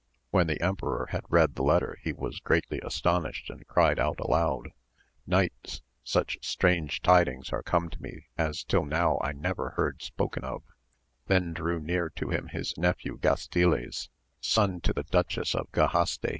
When the emperor had read the letter he was greatly astonished and cried out aloud, Knights, such strange tidings are come to me as till now I never heard spoken of I Then drew near to him his nephew Gastiles, son to the Duchess of Gajaste